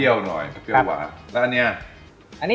อ๋อมันเป็นมิโซเครื่องเคียงครับผม